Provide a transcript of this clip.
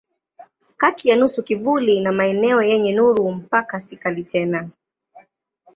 Kati ya nusu kivuli na maeneo yenye nuru mpaka si kali tena.